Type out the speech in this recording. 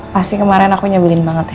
pasti kemarin aku nyobelin banget ya